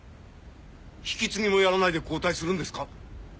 ⁉引き継ぎもやらないで交代するんですか